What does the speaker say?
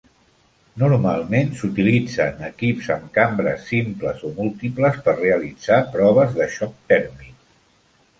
Normalment s'utilitzen equips amb cambres simples o múltiples per realitzar proves de xoc tèrmic.